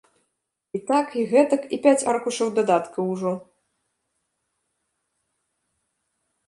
І так, і гэтак, і пяць аркушаў дадаткаў ужо!